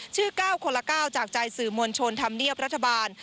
๙คนละ๙จากใจสื่อมวลชนธรรมเนียบรัฐบาล